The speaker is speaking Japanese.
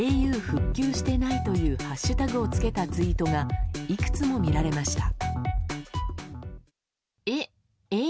ａｕ復旧していないというハッシュタグをつけたツイートがいくつも見られました。